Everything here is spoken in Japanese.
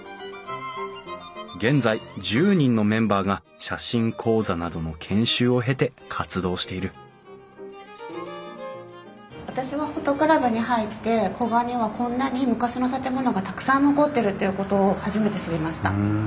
現在１０人のメンバーが写真講座などの私はＰｈｏｔｏクラブに入って古河にはこんなに昔の建物がたくさん残ってるっていうことを初めて知りました。